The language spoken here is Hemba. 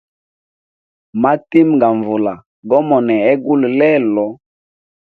Matimba ga nvula go monea hegulu lelo.